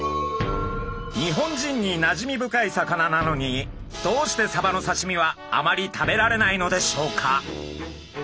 日本人になじみ深い魚なのにどうしてサバの刺身はあまり食べられないのでしょうか！？